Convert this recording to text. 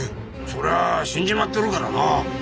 そりゃ死んじまってるからなぁ。